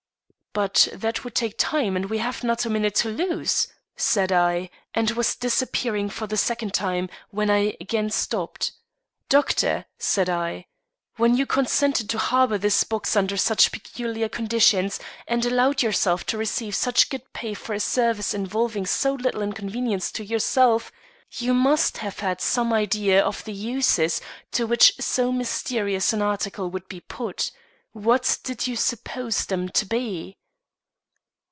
"But that would take time, and we have not a minute to lose," said I, and was disappearing for the second time when I again stopped. "Doctor," said I, "when you consented to harbor this box under such peculiar conditions and allowed yourself to receive such good pay for a service involving so little inconvenience to yourself, you must have had some idea of the uses to which so mysterious an article would be put. What did you suppose them to be?"